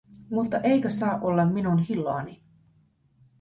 Mutta eikö saa olla minun hilloani?